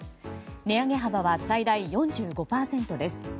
値上げ幅は最大４５％です。